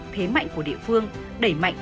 thế mạnh của địa phương đẩy mạnh